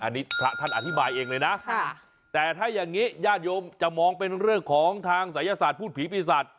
อันนี้พระท่านอธิบายเองเลยนะแต่ถ้าอย่างนี้ญาติโยมจะมองเป็นเรื่องของทางศัยศาสตร์พูดผีปีศาจ